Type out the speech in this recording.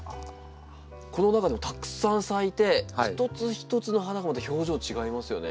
この何かでもたくさん咲いて一つ一つの花がまた表情違いますよね。